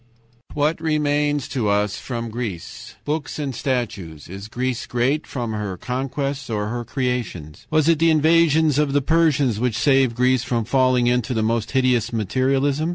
"What remains to us from Greece? Books and statues. Is Greece great from her conquests or her creations? "Was it the invasions of the Persians which saved Greece from falling into the most hideous materialism?